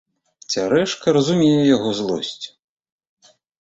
Цярэшка разумее яго злосць.